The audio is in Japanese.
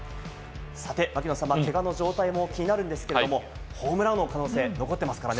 槙野さん、けがの状態も気になるんですけれど、ホームラン王の可能性残ってますからね。